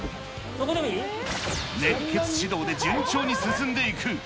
熱血指導で順調に進んでいく。